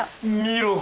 見ろ